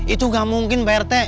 itu gak mungkin parete